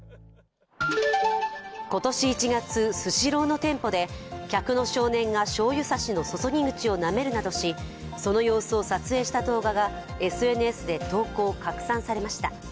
今年１月、スシローの店舗で客の少年がしょうゆ差しの注ぎ口をなめるなどしその様子を撮影した動画がＳＮＳで投稿・拡散されました。